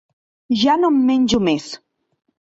Ja no en menjo més.